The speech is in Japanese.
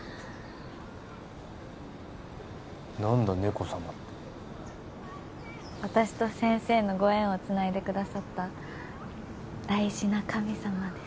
何だ猫様って私と先生のご縁をつないでくださった大事な神様です